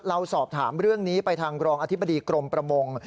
เราสอบถามเรื่องนี้ไปทางรองอธิบดีกรมประมง